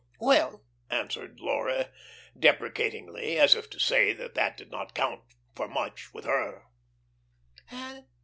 "Oh, well," answered Laura deprecatingly, as if to say that that did not count for much with her.